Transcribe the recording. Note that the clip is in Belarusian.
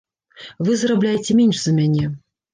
Вы зарабляеце менш за мяне.